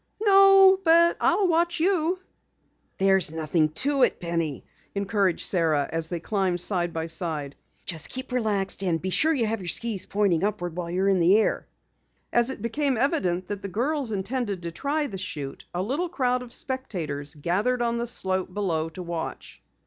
"No, but I'll watch you." "There's nothing to it, Penny," encouraged Sara as they climbed side by side. "Just keep relaxed and be sure to have your skis pointing upward while you're in the air." As it became evident that the girls intended to try the chute, a little crowd of spectators gathered on the slope below to watch.